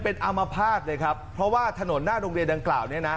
เป็นอามภาษณ์เลยครับเพราะว่าถนนหน้าโรงเรียนดังกล่าวเนี่ยนะ